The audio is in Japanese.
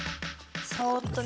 そっとね。